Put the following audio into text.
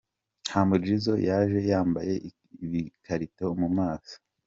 Humble Gizzo yaje yambaye ibikarito mu maso :.